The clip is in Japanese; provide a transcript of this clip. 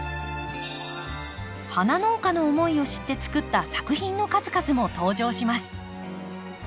花農家の思いを知ってつくった作品の数々も登場します。